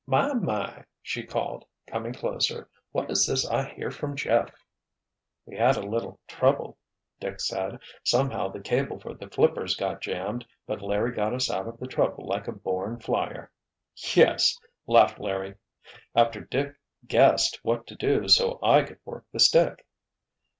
"My! My!" she called, coming closer. "What is this I hear from Jeff?" "We had a little trouble," Dick said. "Somehow the cable for the 'flippers' got jammed, but Larry got us out of the trouble like a born flyer." "Yes," laughed Larry. "After Dick guessed what to do so I could work the stick."